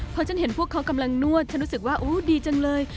พอฉันเห็นพวกเขากำลังนวดฉันรู้สึกว่าโอ้ดีจังเลย